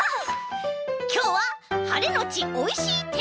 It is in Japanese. きょうははれのちおいしいてんきです！